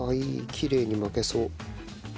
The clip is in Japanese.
きれいに巻けそう。